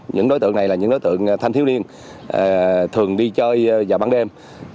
những đối tượng này là những đối tượng thanh thiếu niên thường đi chơi vào ban đêm